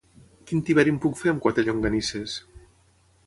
Quin tiberi em puc fer amb quatre llonganisses?